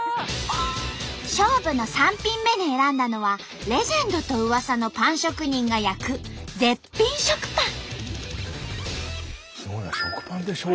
勝負の３品目に選んだのはレジェンドと噂のパン職人が焼く絶品食パン。